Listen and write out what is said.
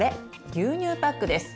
牛乳パックです。